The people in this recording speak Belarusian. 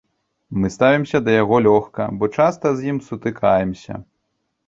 Мы ставімся да яго лёгка, бо часта з ім сутыкаемся.